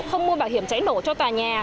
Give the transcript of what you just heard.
không mua bảo hiểm trái đổ cho tòa nhà